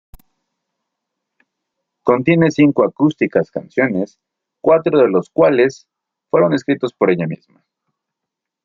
Contiene cinco acústicas canciones, cuatro de los cuales fueron escritos por ella misma.